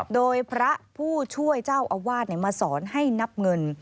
โดยพระผู้ช่วยเจ้าอาวาสมาสอนให้นับเงิน